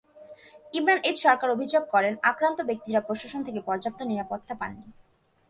Imran H Sarkar অভিযোগ করেন, আক্রান্ত ব্যক্তিরা প্রশাসন থেকে পর্যাপ্ত নিরাপত্তা পাননি।